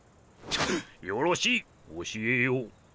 よろしい教えよう。